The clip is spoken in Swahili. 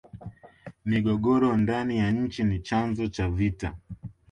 migogoro ndani ya nchi ni chanzo cha vita